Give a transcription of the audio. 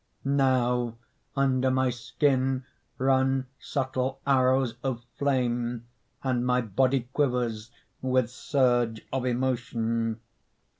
Now under my skin run subtle Arrows of flame, and my body Quivers with surge of emotion.